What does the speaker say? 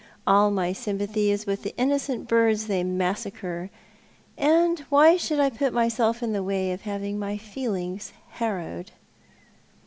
All my sympathy is with the innocent birds they massacre; and why should I put myself in the way of having my feelings harrowed